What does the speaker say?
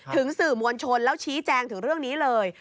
ถึงสื่อมวลชนแล้วชี้แจงถึงเรื่องนี้เลย